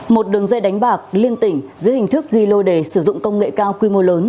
một đường dây đánh bạc liên tỉnh dưới hình thức ghi lô đề sử dụng công nghệ cao quy mô lớn